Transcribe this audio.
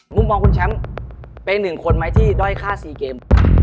มุมมองคุณแชมป์เป็นหนึ่งคนไหมที่ด้อยค่า๔เกม